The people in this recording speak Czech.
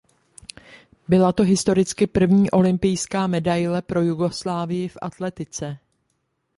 Byla to historicky první olympijská medaile pro Jugoslávii v atletice.